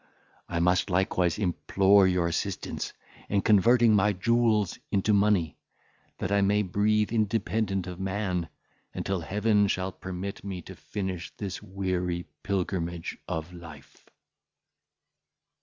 I must likewise implore your assistance in converting my jewels into money, that I may breathe independent of man, until Heaven shall permit me to finish this weary pilgrimage of life.